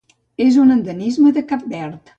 És un endemisme de Cap Verd.